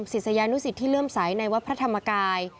ศิษยานุสิตที่เลื่อมใสในวัดพระธรรมกาย